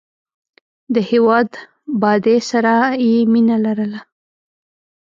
د هېواد بادۍ سره یې مینه لرله.